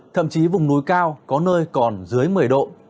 thậm chí vùng núi cao có nơi còn dưới một mươi độ